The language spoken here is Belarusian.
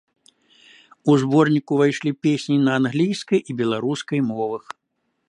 У зборнік увайшлі песні на англійскай і беларускай мовах.